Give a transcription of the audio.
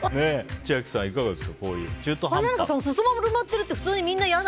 千秋さん、いかがですか？